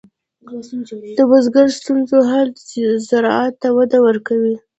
د بزګر د ستونزو حل زراعت ته وده ورکوي.